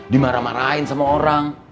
dimarah marahin sama orang